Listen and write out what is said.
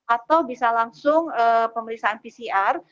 atau bisa langsung pemeriksaan pcr